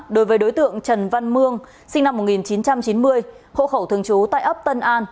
đối với đối tượng trần văn mương sinh năm một nghìn chín trăm chín mươi hộ khẩu thường trú tại ấp tân an